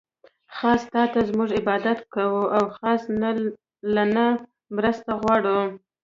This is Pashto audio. خاص تاته مونږ عبادت کوو، او خاص له نه مرسته غواړو